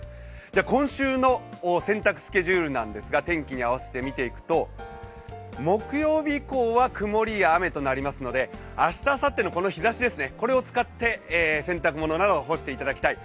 今週の洗濯スケジュールなんですが、天気に合わせて見ていくと、木曜日以降は曇りや雨となりますので明日、あさってのこの日ざしを使って洗濯物などを干していただきたい。